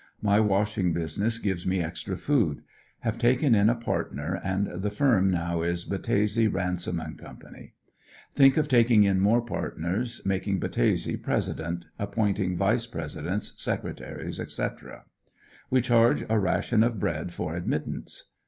My washing business gives me extra food. Have taken in a partner, and the firm now is Battese, Ransom & Co. Think of taking in more partners, making Battese president, ap pointing vice presidents, secretaries, &c. We charge a ration of bread for admittance.